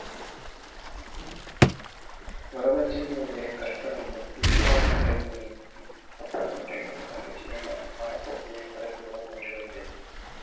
வரட்சித்தன்மையுடைய கற்பனைகளோ, இசைவான நடைமுறைகளுக்கு அப்பாற்பட்டவைகளோ, தன்னிச்சையான மனப் போக்குகளின் படைப்புகளோ தமிழில் இல்லை.